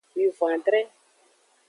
Wivon-adre.